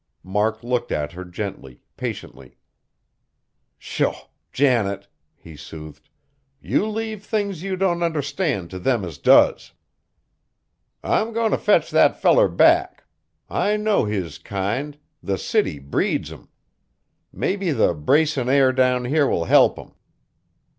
Mark looked at her gently, patiently. "Sho! Janet," he soothed, "you leave things you don't understand t' them as does. I'm goin' t' fetch that feller back. I know his kind, the city breeds 'em! Maybe the bracin' air down here will help him.